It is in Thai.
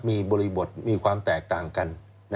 มีบริบทมีความแตกต่างกัน